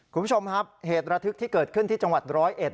คุณผู้ชมครับเหตุระทึกที่เกิดขึ้นที่จังหวัดร้อยเอ็ด